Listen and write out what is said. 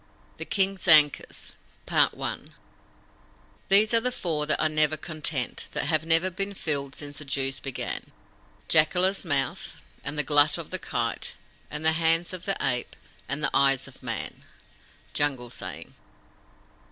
THE KING'S ANKUS These are the Four that are never content, that have never been filled since the Dews began Jacala's mouth, and the glut of the Kite, and the hands of the Ape, and the Eyes of Man. Jungle Saying.